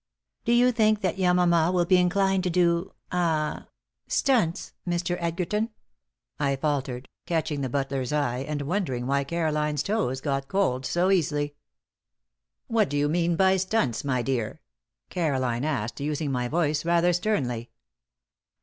"Do you think that Yamama will be inclined to do ah stunts, Mr. Edgerton?" I faltered, catching the butler's eye, and wondering why Caroline's toes got cold so easily. "What do you mean by stunts, my dear?" Caroline asked, using my voice, rather sternly.